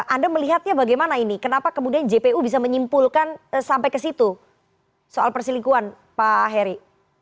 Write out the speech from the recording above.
anda melihatnya bagaimana ini kenapa kemudian jpu bisa menyimpulkan sampai ke situ soal perselingkuhan pak heri